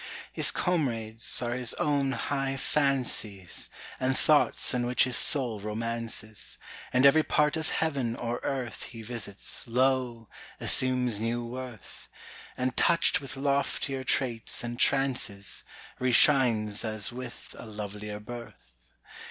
His comrades are his own high fancies And thoughts in which his soul romances; And every part of heaven or earth He visits, lo, assumes new worth; And touched with loftier traits and trances Re shines as with a lovelier birth.